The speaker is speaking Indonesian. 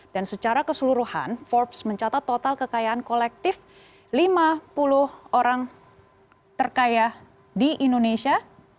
dan secara keseluruhan forbes mencatat total kekayaan kolektif lima puluh orang terkaya di indonesia